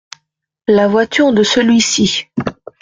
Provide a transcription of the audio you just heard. La voiture de celui-ci.